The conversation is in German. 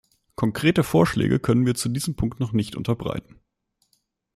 Konkrete Vorschläge können wir zu diesem Punkt noch nicht unterbreiten.